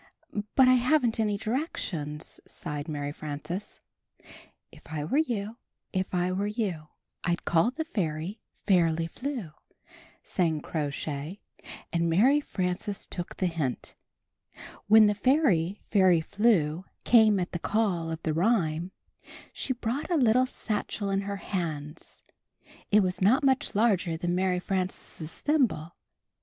"But I haven't any directions," sighed Mary Frances "If I were you, If I were you, I'd call the fairy, Fairly Flew." sang Crow Shay, and Mary Frances took the hint. When the fairy Fairly Flew came at the call of the rhyme, she brought a httle satchel in her hands. It was not much larger than Mary Frances' thimble.